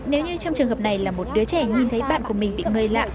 nếu như trong trường hợp này là một đứa trẻ nhìn thấy bạn của mình bị người lạ